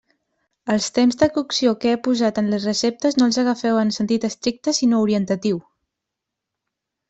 Els temps de cocció que he posat en les receptes no els agafeu en sentit estricte sinó orientatiu.